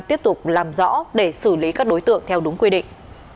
tiếp tục làm rõ để xử lý các đối tượng theo đúng quy định